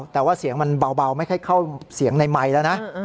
แต่ว่าเสียงมันเบาไม่ค่อยเข้าเสียงในไมค์แล้วนะ